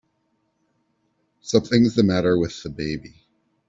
Something's the matter with the baby!